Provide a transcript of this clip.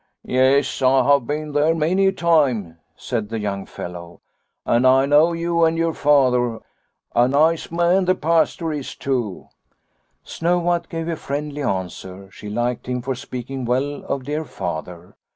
"' Yes, I have been there many a time,' said the young fellow, ' and I know you and your Father ; a nice man the Pastor is too.' " Snow White gave a friendly answer, she liked him for speaking well of dear Father.